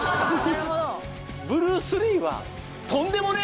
ブルース・リーはとんでもねえから！